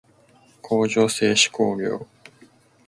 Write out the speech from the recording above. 工場制手工業